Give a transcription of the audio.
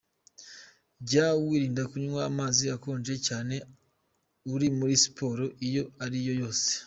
Jya wirinda kunywa amazi akonje cyane uri muri siporo iyo ariyo yose.